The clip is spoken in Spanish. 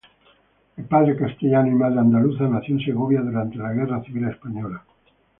De padre castellano y madre andaluza, nació en Segovia durante la guerra civil española.